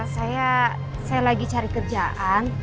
saya lagi cari kerjaan